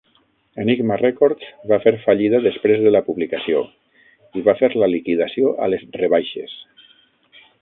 Enigma Records va fer fallida després de la publicació, i va fer la liquidació a les rebaixes.